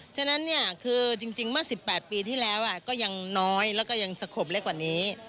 ฉะนั้นเนี่ยคือจริงเมื่อ๑๘ปีที่แล้วก็ยังน้อยแล้วก็ยังสงบเล็กกว่านี้